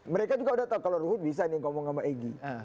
mereka juga udah tahu kalau ruhut bisa ini yang ngomong sama egy